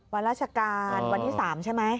วันราชการวันที่๓ใช่ไหม